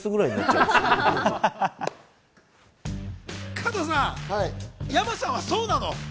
加藤さん、山さんはそうなの？